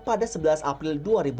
pada sebelas april dua ribu delapan belas